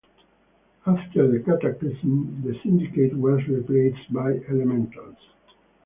After the Cataclysm, the Syndicate was replaced by elementals.